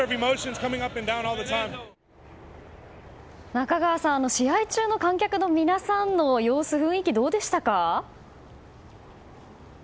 中川さん試合中の観客の皆さんの様子、雰囲気はどうでしたか？